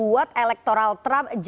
waktu itu kebetulan begini